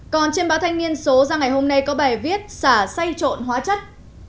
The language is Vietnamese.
còn trên báo thanh niên số ra ngày hôm nay có bài viết xả say trộn hóa chất